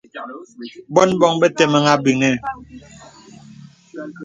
Bōn bǒŋ be təməŋhe àbəŋhə.